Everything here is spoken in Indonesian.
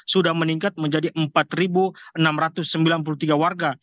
sudah meningkat menjadi empat enam ratus sembilan puluh tiga warga